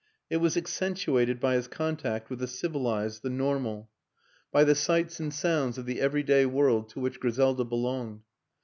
It was accentu ated by his contact with the civilized, the normal; WILLIAM AN ENGLISHMAN 193 by the sights and sounds of the everyday world to which Griselda belonged.